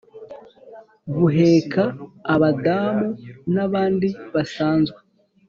Buheka Abadamu nabandi nabsanzwe